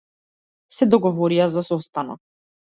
Се договорија за состанок.